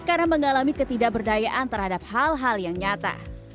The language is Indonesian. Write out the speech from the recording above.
karena mengalami ketidakberdayaan terhadap hal hal yang nyata